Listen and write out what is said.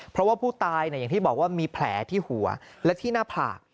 เพราะว่าผู้ตายอย่างที่บอกว่ามีแผลที่หัวและที่หน้าผาก